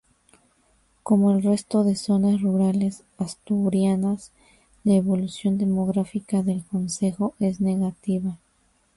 Como el resto de zonas rurales asturianas la evolución demográfica del concejo es negativa.